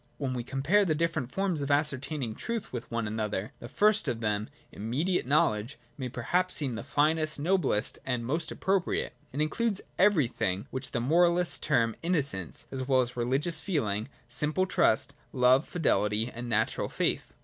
" ^hen we compare the different forms of ascertaining truth with one another, the first of them, immediate know ledge, may perhaps seem the finest, noblest and most i appropriate. It includes everything which the moralists term innocence as well as religious feeling, simple trust, love, fidelity, and natural faith.